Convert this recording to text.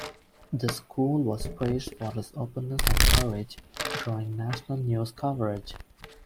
The school was praised for its openness and courage, drawing national news coverage.